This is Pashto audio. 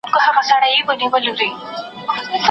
د څيړني کیفیت تر کمیت مهم وي.